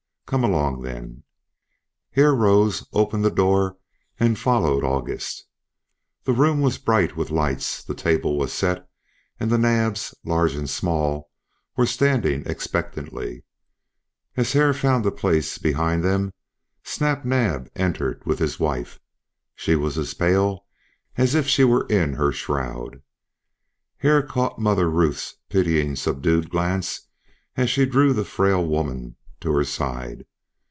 "Come along then." Hare rose, opened the door and followed August. The room was bright with lights; the table was set, and the Naabs, large and small, were standing expectantly. As Hare found a place behind them Snap Naab entered with his wife. She was as pale as if she were in her shroud. Hare caught Mother Ruth's pitying subdued glance as she drew the frail little woman to her side.